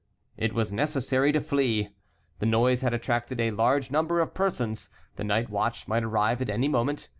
It was necessary to flee. The noise had attracted a large number of persons; the night watch might arrive at any moment.